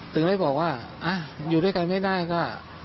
ถึงได้บอกว่าอยู่ด้วยกันไม่ได้ก็